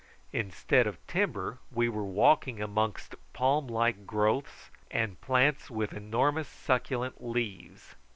Instead of timber we were walking amongst palm like growth and plants with enormous succulent leaves.